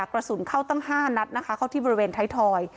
กระสุนเข้าตั้ง๕นัดนะคะเข้าที่บริเวณไทยทอย